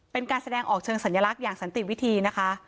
เป็นการแสดงออกเชิงสัญลักษณ์อย่างสันติวิธีนะคะ